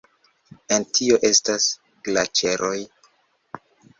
El tio estas glaĉeroj.